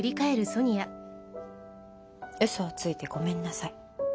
ウソをついてごめんなさい。